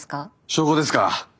証拠ですか？